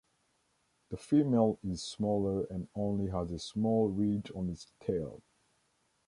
The female is smaller and only has a small ridge on its tail.